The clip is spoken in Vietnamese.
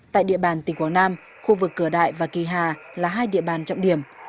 tại địa bàn tỉnh quảng nam khu vực cửa đại và kỳ hà là hai địa bàn trọng điểm